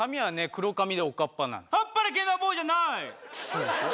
黒髪でおかっぱなの「あっぱれけん玉ボーイ」じゃないそうでしょ